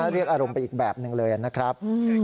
เรียกอารมณ์ไปอีกแบบหนึ่งเลยนะครับ